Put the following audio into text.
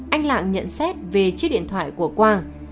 anh lạng nhận xét về chiếc điện thoại của quang